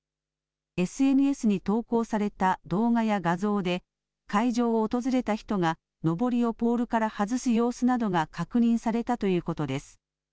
ＳＮＳに投稿された動画や画像で、会場を訪れた人が、のぼりをポールから外す様子などが確認されたということです。